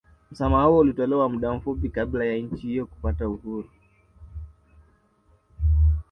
Msamaha huo ulitolewa muda mfupi kabla ya nchi hiyo kupata uhuru